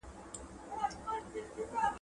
له قاصده سره نسته سلامونه.